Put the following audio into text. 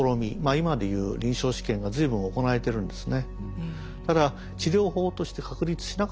今で言う臨床試験が随分行われてるんですね。